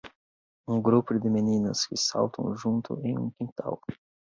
Um grupo de meninas que saltam junto em um quintal.